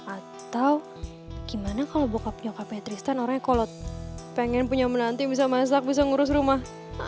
atau gimana kalau bokapnya kapetristan orangnya kalau pengen punya menanti bisa masak bisa ngurus rumah